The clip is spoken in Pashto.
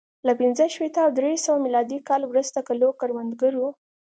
له پنځه شپېته او درې سوه میلادي کال وروسته کلو کروندګرو